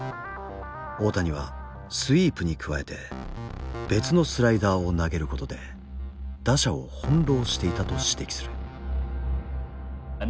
大谷はスイープに加えて別のスライダーを投げることで打者を翻弄していたと指摘する。